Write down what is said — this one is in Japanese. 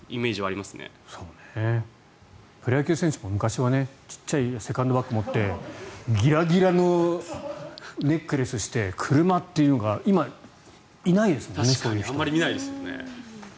プロ野球選手も昔は小さいセカンドバッグを持ってギラギラのネックレスして車というのがあまり見ないですよね。